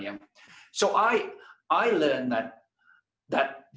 jadi saya belajar bahwa